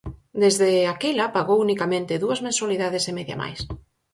Desde aquela pagou unicamente dúas mensualidades e media máis.